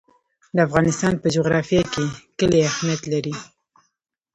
د افغانستان په جغرافیه کې کلي اهمیت لري.